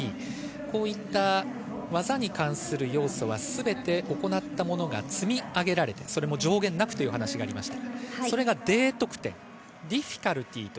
こういった技に関する要素はすべて行った者が積み上げられて上限なくという話がありました。